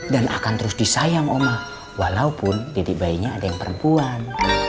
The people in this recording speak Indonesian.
dan akan terus disayang oma walaupun didik bayinya ada yang perempuan